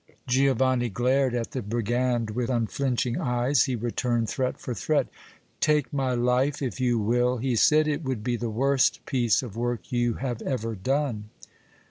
Giovanni glared at the brigand with unflinching eyes. He returned threat for threat. "Take my life, if you will," he said. "It would be the worst piece of work you have ever done!"